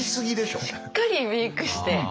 しっかりメークして。